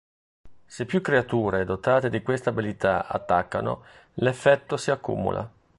Se più creature dotate di quest'abilità attaccano, l'effetto si accumula.